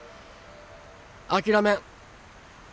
諦めん。